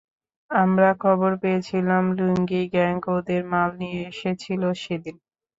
আমরা খবর পেয়েছিলাম লুঙ্গি গ্যাং ওদের মাল নিয়ে এসেছিল সেদিন।